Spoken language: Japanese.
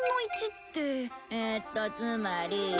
えーっとつまり。